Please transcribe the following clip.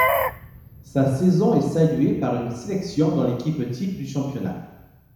Sa saison est saluée par une sélection dans l'équipe type du championnat.